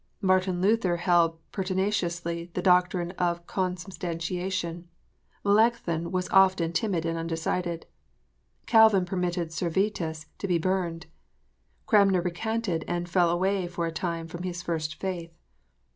Martin Luther held pertinaciously the doctrine of consubstan tiation. Melanchthon was often timid and undecided. Calvin permitted Servetus to be burned. Cranmer recanted and fell away for a time from his first faith.